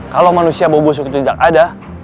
kalau manusia bobo suku itu tidak ada